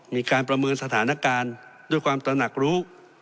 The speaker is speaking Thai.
มีการประเมินสถานการณ์ด้วยความตระหนักรู้